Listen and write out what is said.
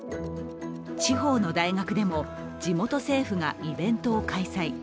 地方の大学でも、地元政府がイベントを開催。